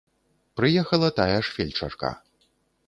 Прыехала тая ж фельчарка.